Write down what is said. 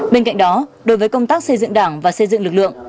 bên cạnh đó đối với công tác xây dựng đảng và xây dựng lực lượng